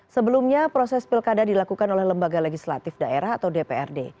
sebelumnya proses pilkada dilakukan oleh lembaga legislatif daerah atau dprd